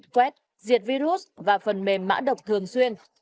quét diệt virus và phần mềm mã độc thường xuyên